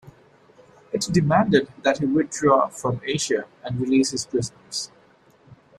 It demanded that he withdraw from Asia and release his prisoners.